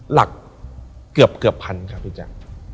หลักเกือบพันครับอีจักร